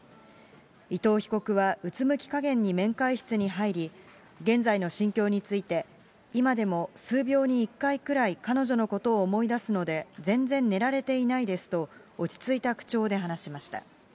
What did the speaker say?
伊藤被告はうつむき加減に面会室に入り、現在の心境について、今でも数秒に１回くらい彼女のことを思いだすので、全然寝られていないですと、落ち着いた口調で話しました。